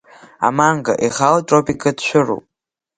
Аманго ихаау тропикатә шәыруп.